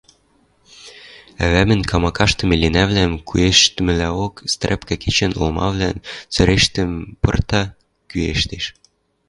Ӓвӓмӹн камакашты меленӓвлӓм кӱэштмӹлӓок стрӓпкӓ кечет олмавлӓн цӹрештӹм пырта, кӱэштеш.